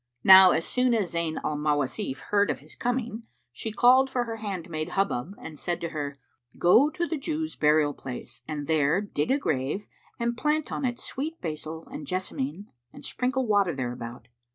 Now as soon as Zayn al Mawasif heard of his coming she called for her handmaid Hubub and said to her, "Go to the Jews' burial place and there dig a grave and plant on it sweet basil and jessamine and sprinkle water thereabout.